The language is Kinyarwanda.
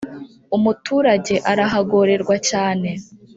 Umuturage arahagorerwa cyane